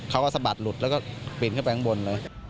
สะบัดหลุดแล้วก็ปีนขึ้นไปข้างบนเลย